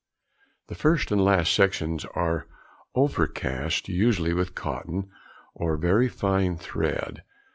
] The first and last sections are overcast usually with cotton or very fine thread.